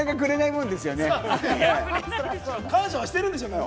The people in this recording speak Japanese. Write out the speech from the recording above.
感謝はしてるんでしょうけどね。